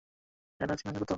এবার চেনা গেল তো?